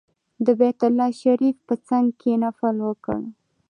د بیت الله شریف په څنګ کې نفل وکړ.